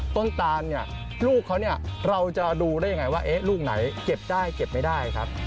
ตานเนี่ยลูกเขาเนี่ยเราจะดูได้ยังไงว่าลูกไหนเก็บได้เก็บไม่ได้ครับ